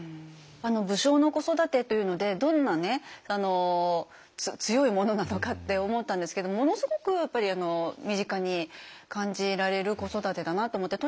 武将の子育てというのでどんなね強いものなのかって思ったんですけどものすごくやっぱり身近に感じられる子育てだなって思って。